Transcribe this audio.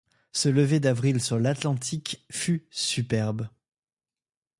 Ce lever d’avril sur l’Atlantique fut superbe.